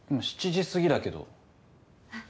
７時過ぎだけど。